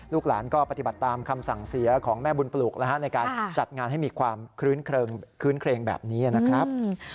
หลานก็ปฏิบัติตามคำสั่งเสียของแม่บุญปลูกในการจัดงานให้มีความคื้นเครงแบบนี้นะครับ